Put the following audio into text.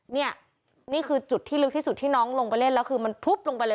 นี่นี่คือจุดที่ลึกที่สุดที่น้องลงไปเล่นแล้วคือมันพลุบลงไปเลย